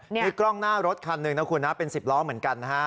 นี่กล้องหน้ารถคันหนึ่งเป็น๑๐ล้อเหมือนกัน